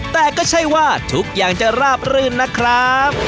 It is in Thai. แต่ก็ใช่ว่าทุกอย่างจะราบรื่นนะครับ